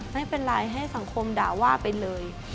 ไม่เป็นไรให้สังคมด่าว่าไปเลย